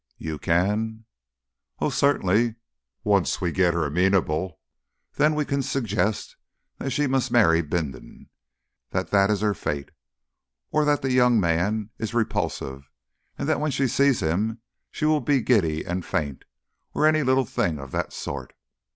"You can ?" "Oh, certainly! Once we get her amenable, then we can suggest that she must marry Bindon that that is her fate; or that the young man is repulsive, and that when she sees him she will be giddy and faint, or any little thing of that sort.